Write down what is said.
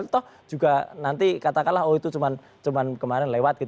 toh juga nanti katakanlah oh itu cuma kemarin lewat